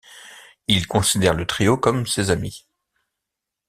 Il considère le trio comme ses amis.